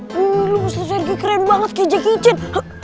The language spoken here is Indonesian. mr sergi keren banget kayak jackie chan